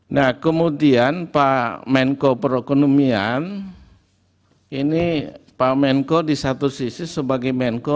nah kemudian pak menko perekonomian ini pak menko di satu sisi sebagai menko